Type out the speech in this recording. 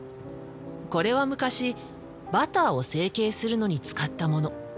これは昔バターを成型するのに使ったもの。